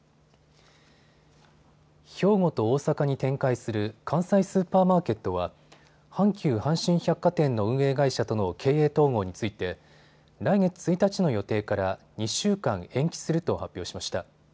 兵庫と大阪に展開する関西スーパーマーケットは阪急阪神百貨店の運営会社との経営統合について来月１日の予定から２週間延期すると発表しました。